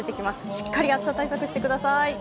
しっかり暑さ対策してください。